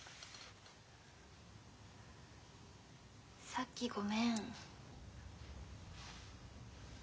・さっきごめん。